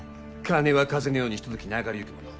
金は風のようにひととき流れゆくもの。